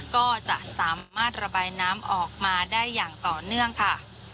ก็จะสามารถระบายน้ำออกมาได้อย่างต่อเนื่องค่ะ